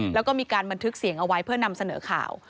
แล้วก็มีการบันทึกเสียงเอาไว้เพื่อนำเสนอข่าว